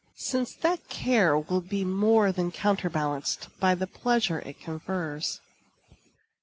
since that care will be more than counterbalanced by the pleasure it confers.